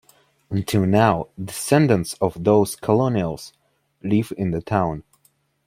Until now, descendants of those colonials live in the town.